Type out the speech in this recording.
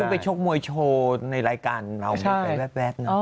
โถ้เอิ้ตไปชกมวยโชว์ในรายการแว๊บ